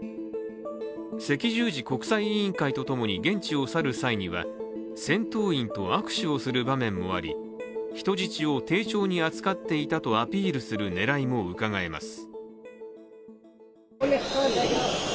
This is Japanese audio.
赤十字国際委員会とともに現地を去る際には戦闘員と握手をする場面もあり人質を丁重に扱っていたとアピールする狙いもうかがえます。